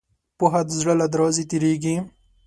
پوهه د زړه له دروازې تېرېږي.